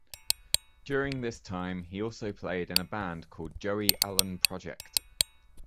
During this time, he also played in a band called Joey Allen Project.